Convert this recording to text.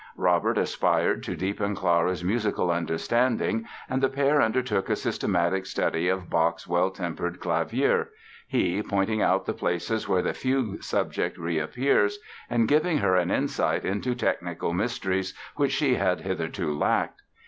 Robert aspired to deepen Clara's musical understanding and the pair undertook a systematic study of Bach's Well Tempered Clavier, he "pointing out the places where the fugue subject reappears" and giving her an insight into technical mysteries which she had hitherto lacked.